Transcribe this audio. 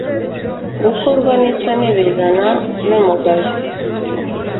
gukorwa n’ isoni bizana n umugayo